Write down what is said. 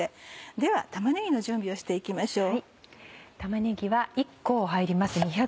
では玉ねぎの準備をして行きましょう。